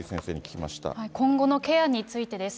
今後のケアについてです。